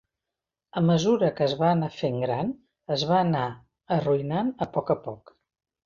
A mesura que es va anar fent gran, es va anar arruïnant a poc a poc.